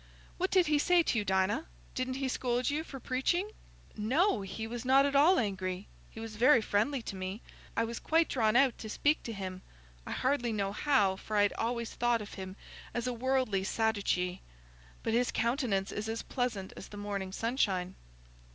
What did he say to you, Dinah? Didn't he scold you for preaching?" "No, he was not at all angry; he was very friendly to me. I was quite drawn out to speak to him; I hardly know how, for I had always thought of him as a worldly Sadducee. But his countenance is as pleasant as the morning sunshine."